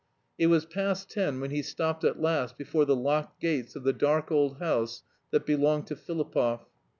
It was past ten when he stopped at last before the locked gates of the dark old house that belonged to Filipov.